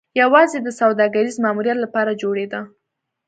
یوازې د سوداګریز ماموریت لپاره جوړېده.